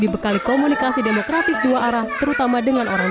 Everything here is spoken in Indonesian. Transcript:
dan juga memperbaiki komunikasi demokratis dua arah terutama dengan orang tua